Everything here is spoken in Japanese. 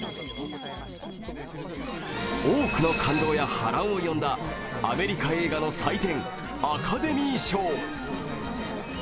多くの感動や波乱を呼んだアメリカ映画の祭典アカデミー賞。